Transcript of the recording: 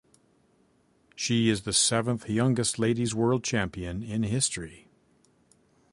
She is the seventh-youngest ladies World Champion in history.